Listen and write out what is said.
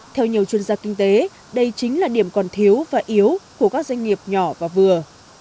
theo nhiều chuyên gia kinh tế đây chính là điểm còn thiếu và yếu của các doanh nghiệp nhỏ và vừa